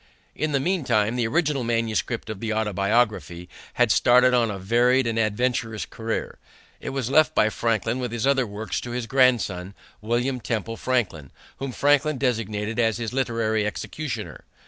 In the meantime the original manuscript of the Autobiography had started on a varied and adventurous career. It was left by Franklin with his other works to his grandson, William Temple Franklin, whom Franklin designated as his literary executor.